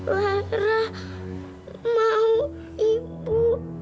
lara mau ibu